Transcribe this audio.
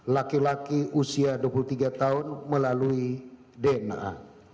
laki laki usia dua puluh tiga tahun melalui dna